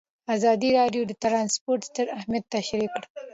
ازادي راډیو د ترانسپورټ ستر اهميت تشریح کړی.